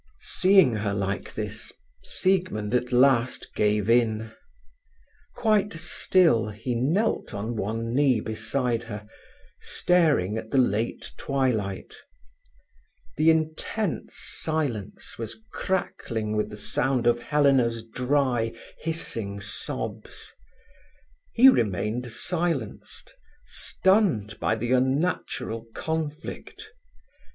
Seeing her like this, Siegmund at last gave in. Quite still, he knelt on one knee beside her, staring at the late twilight. The intense silence was crackling with the sound of Helena's dry, hissing sobs. He remained silenced, stunned by the unnatural conflict.